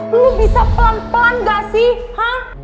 lu bisa pelan pelan gak sih ha